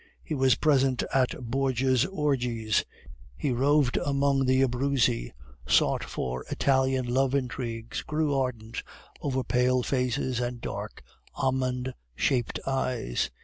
He was present at Borgia's orgies, he roved among the Abruzzi, sought for Italian love intrigues, grew ardent over pale faces and dark, almond shaped eyes.